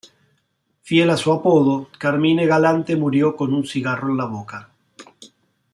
Fiel a su apodo, Carmine Galante murió con un cigarro en la boca.